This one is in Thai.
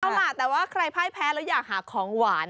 เอาล่ะแต่ว่าใครพ่ายแพ้แล้วอยากหาของหวาน